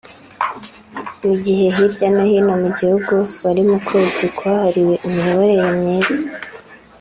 mu gihe hirya no hino mu gihugu bari mu kwezi kwahariwe imiyoborere myiza